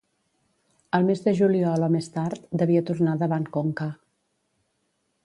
El mes de juliol o més tard, devia tornar davant Conca.